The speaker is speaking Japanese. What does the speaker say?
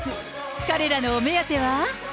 彼らのお目当ては。